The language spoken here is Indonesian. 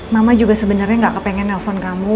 mama juga sebenarnya gak kepengen nelfon kamu